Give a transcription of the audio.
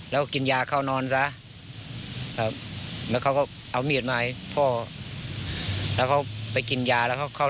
แล้วกินยาเขานอนซะ